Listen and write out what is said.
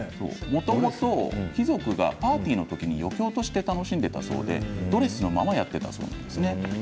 もともと貴族がパーティーのときに余興として楽しんでいたそうでドレスのままやってますね。